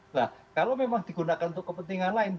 nah kalau memang digunakan untuk kepentingan lain